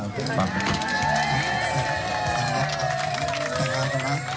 ขอบคุณครับ